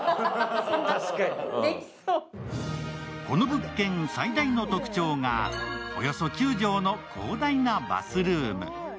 この物件最大の特徴がおよそ９畳の広大なバスルーム。